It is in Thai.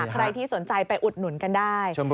ใครที่สนใจไปอุดหนุนกันได้